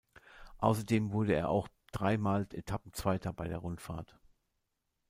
Außerdem wurde er auch dreimal Etappenzweiter bei der Rundfahrt.